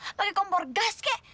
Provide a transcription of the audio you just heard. harusnya pakai kompor gas kek